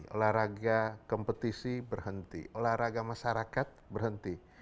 olahraga kompetisi berhenti olahraga masyarakat berhenti